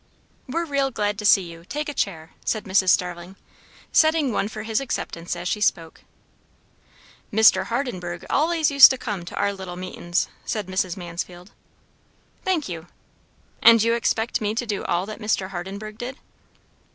"We're real glad to see you. Take a chair," said Mrs. Starling, setting one for his acceptance as she spoke. "Mr. Hardenburgh allays used to come to our little meetin's," said Mrs. Mansfield. "Thank you! And you expect me to do all that Mr. Hardenburgh did?"